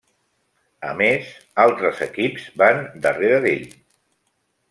A més, altres equips van darrere d'ell.